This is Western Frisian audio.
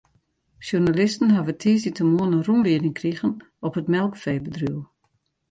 Sjoernalisten hawwe tiisdeitemoarn in rûnlieding krigen op it melkfeebedriuw.